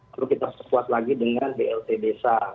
lalu kita sesuas lagi dengan blt besa